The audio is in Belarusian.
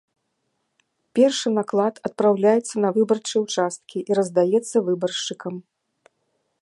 Першы наклад адпраўляецца на выбарчыя ўчасткі і раздаецца выбаршчыкам.